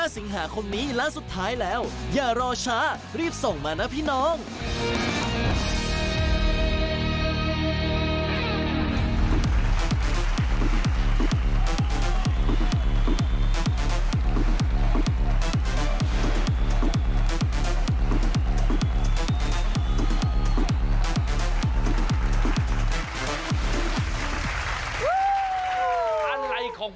สิงหาคมนี้และสุดท้ายแล้วอย่ารอช้ารีบส่งมานะพี่น้อง